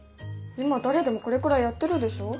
今誰でもこれくらいやってるでしょ？